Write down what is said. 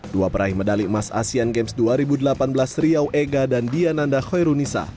dua peraih medali emas asean games dua ribu delapan belas riau ega dan diananda khoirunisa